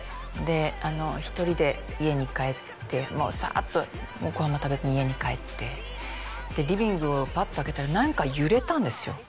一人で家に帰ってもうさっともうご飯も食べずに家に帰ってリビングをパッと開けたら何か揺れたんですよ